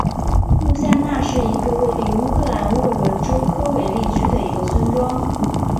穆夏那是一个位于乌克兰沃伦州科韦利区的一个村庄。